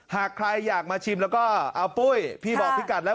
หากใครอยากมาชิมแล้วก็เอาปุ้ยพี่บอกพี่กัดแล้ว